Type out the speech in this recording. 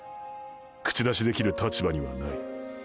口出しできる立場にはない。